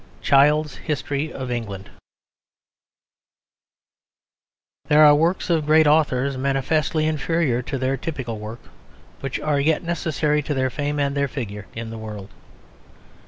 CHILD'S HISTORY OF ENGLAND There are works of great authors manifestly inferior to their typical work which are yet necessary to their fame and their figure in the world.